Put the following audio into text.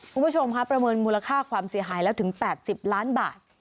คุณผู้ชมค่ะประเมินมูลค่าความเสียหายแล้วถึง๘๐ล้านบาท